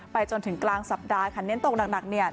จนถึงกลางสัปดาห์ค่ะเน้นตกหนักเนี่ย